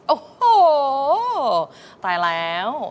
โอ้โหตายแล้ว